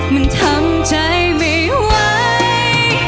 มันทำใจไม่ไหว